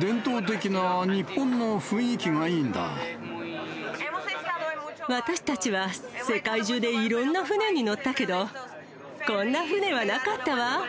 伝統的な日本の雰囲気がいい私たちは世界中でいろんな船に乗ったけど、こんな船はなかったわ。